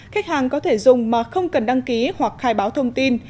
khách hàng có thể dùng mà không cần đăng ký hoặc khai báo thông tin